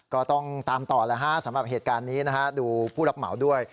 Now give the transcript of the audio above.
ก็ต้องตามต่อสำหรับเหตุการณ์นี้ดูผู้รับเหมาด้วย